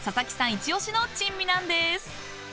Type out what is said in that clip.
一押しの珍味なんです］